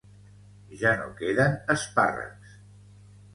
Ja no queden espàrrecs